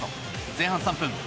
前半３分。